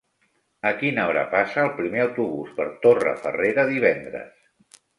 A quina hora passa el primer autobús per Torrefarrera divendres?